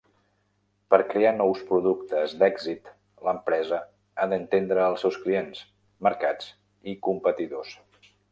Per crear nous productes d'èxit l'empresa ha d'entendre els seus clients, mercats i competidors.